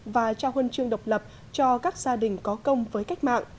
và trao huân chương độc lập cho các gia đình có công với cách mạng